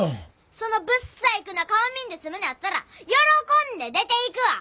そのぶっさいくな顔見んで済むのやったら喜んで出ていくわ！